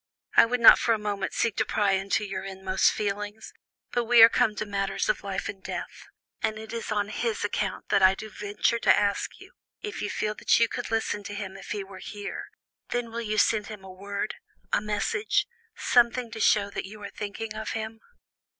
I would not for a moment seek to pry into your inmost feelings, but we are come to matters of life and death, and it is on his account that I do venture to ask you, if you feel that you could listen to him if he were here, then will you send him a word, a message, something to show that you are thinking of him?"